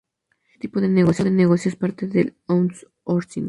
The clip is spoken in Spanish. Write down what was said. Este tipo de negocio es parte del "outsourcing".